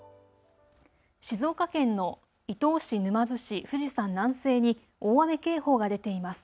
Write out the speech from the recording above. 静岡県の伊東市、沼津市、富士山南西に大雨警報が出ています。